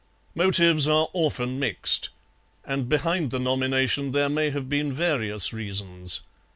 Motives are often mixed; and behind the nomination there may have been various reasons.